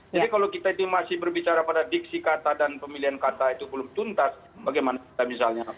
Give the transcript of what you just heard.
jadi kalau kita ini masih berbicara pada diksi kata dan pemilihan kata itu belum tuntas bagaimana kita misalnya